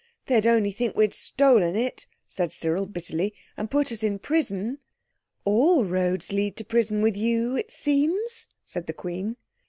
"They'd only think we'd stolen it," said Cyril bitterly, "and put us in prison." "All roads lead to prison with you, it seems," said the Queen.